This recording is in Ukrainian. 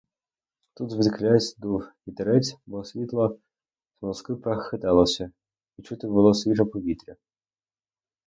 Тут звідкілясь дув вітерець, бо світло смолоскипа хиталося, і чути було свіже повітря.